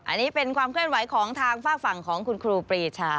อันนี้เป็นความเคลื่อนไหวของทางฝากฝั่งของคุณครูปรีชา